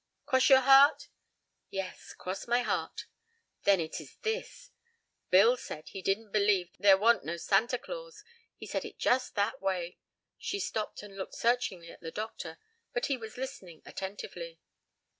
"Cross your heart?" "Yes; cross my heart." "Then, it is this: Bill said he didn't believe there wa'n't no Santa Claus. He said it just that way." She stopped and looked searchingly at the doctor, but he was listening attentively.